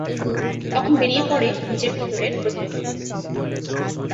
তখন বেরিয়ে পড়ে নিজের ভিতরের প্রতিকূলতা।